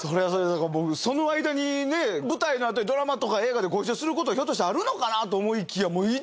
その間にね舞台のあとにドラマとか映画でご一緒することひょっとしたらあるのかなと思いきや。